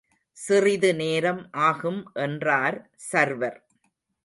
சிறிது நேரம் ஆகும் என்றார் சர்வர்.